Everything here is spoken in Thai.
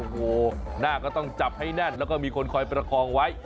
โอ้โหหน้าก็ต้องจับให้แน่นแล้วก็มีคนคอยประคองไว้